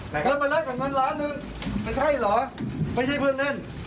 แล้วมารับกับเงินล้านหนึ่งมันใช่เหรอไม่ใช่เพื่อนเล่น